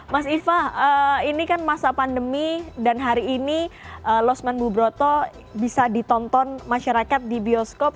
mas ifah ini kan masa pandemi dan hari ini lost man bu broto bisa ditonton masyarakat di bioskop